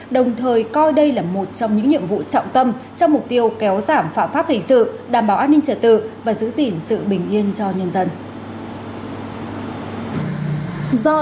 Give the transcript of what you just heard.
đồng thời coi đây là một trong những nhiệm vụ trọng tâm trong mục tiêu kéo giảm phạm pháp hình sự đảm bảo an ninh trả tự và giữ gìn sự bình yên cho nhân dân